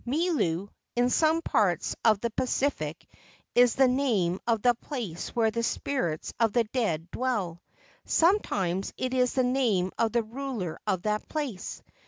Milu in some parts of the Pacific is the name of the place where the spirits of the dead dwell. Sometimes it is the name of the ruler of that place.